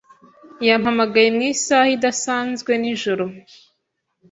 Yampamagaye mu isaha idasanzwe nijoro.